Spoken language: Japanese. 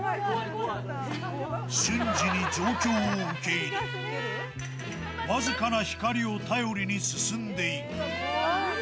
瞬時に状況を受け入れ、僅かな光を頼りに進んでいく。